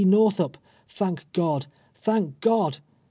North up ! Tliank God — thank God